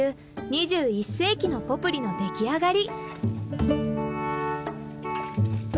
２１世紀のポプリの出来上がり。